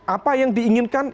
apa yang diinginkan